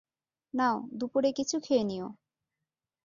নাও দুপুরে কিছু খেয়ে নিও।